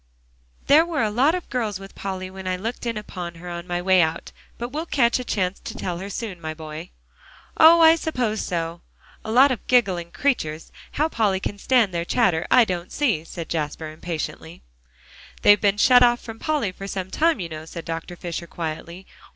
"There were a lot of girls with Polly when I looked in upon her on my way out. But we'll catch a chance to tell her soon, my boy." "Oh! I suppose so. A lot of giggling creatures. How Polly can stand their chatter, I don't see," cried Jasper impatiently. "They've been shut off from Polly for some time, you know," said Dr. Fisher quietly.